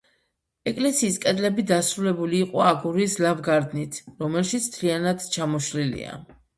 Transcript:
ეკლესიის კედლები დასრულებული იყო აგურის ლავგარდნით, რომელშიც მთლიანად ჩამოშლილია.